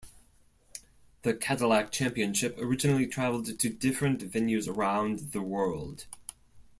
The Cadillac Championship originally traveled to different venues around the world.